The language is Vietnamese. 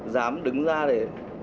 dám đứng ra để